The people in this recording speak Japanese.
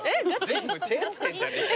全部チェーン店じゃねえか。